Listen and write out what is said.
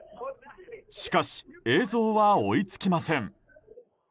しかし、映像は追いつきません。